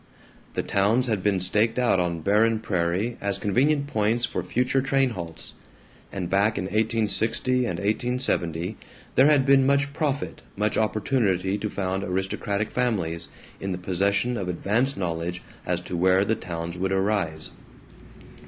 The towns had been staked out on barren prairie as convenient points for future train halts; and back in 1860 and 1870 there had been much profit, much opportunity to found aristocratic families, in the possession of advance knowledge as to where the towns would arise.